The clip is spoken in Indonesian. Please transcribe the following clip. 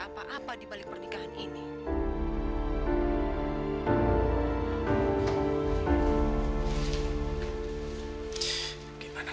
apa apa dibalik pernikahan ini